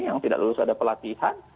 yang tidak lulus ada pelatihan